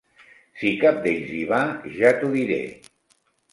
Si cap d'ells hi va, ja t'ho diré.